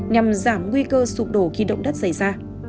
nhằm giảm nguy cơ sụp đổ khi động đất xảy ra